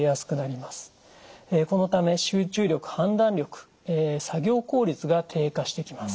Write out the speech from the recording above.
このため集中力判断力作業効率が低下してきます。